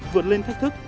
vượt lên thách thức